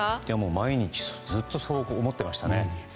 毎日ずっとそう思っていました。